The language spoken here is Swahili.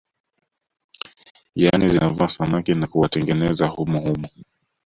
Yani zinavua samaki na kuwatengeneza humo humo